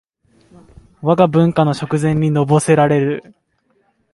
わが文化の食膳にのぼせられる